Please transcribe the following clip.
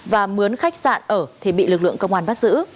và muốn khách sạn ở thì bị lực lượng công an bắt giữ